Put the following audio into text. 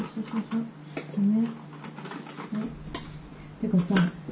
てかさ。